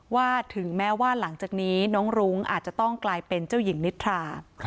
ถึงแม้ว่าหลังจากนี้น้องรุ้งอาจจะต้องกลายเป็นเจ้าหญิงนิทรา